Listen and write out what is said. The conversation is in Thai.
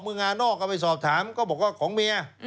งานอกก็ไปสอบถามก็บอกว่าของเมีย